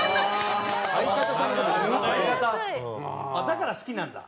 だから好きなんだ？